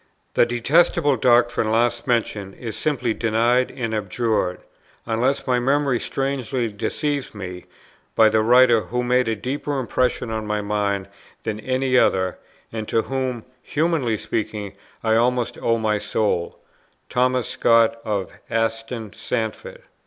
The detestable doctrine last mentioned is simply denied and abjured, unless my memory strangely deceives me, by the writer who made a deeper impression on my mind than any other, and to whom (humanly speaking) I almost owe my soul, Thomas Scott of Aston Sandford.